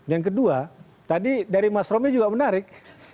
yang kedua tadi dari mas romy juga menarik